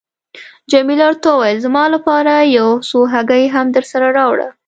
جميله ورته وویل: زما لپاره یو څو هګۍ هم درسره راوړه.